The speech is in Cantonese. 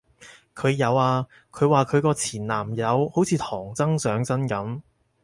佢有啊，佢話佢個前男友好似唐僧上身噉